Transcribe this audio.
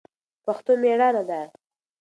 پښتو مېړانه ده